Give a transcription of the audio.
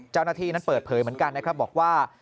เจ้าหน้าที่นั้นเปิดเผยเหมือนกันนะครับบอกว่า